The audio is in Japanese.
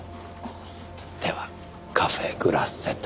ではカフェ・グラッセと。